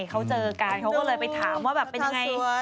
เขาเจอกันเขาก็เลยไปถามว่าแบบเป็นยังไง